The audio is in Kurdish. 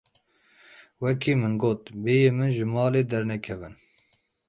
Wekî min got bêyî min ji malê dernekevin.